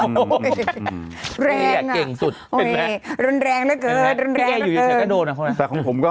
เมื่อก่อนก็เข้าไปอย่างนี้เหมือนกันนะ